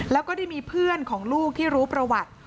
แล้วก็ได้มีเพื่อนของลูกที่รู้ประวัติ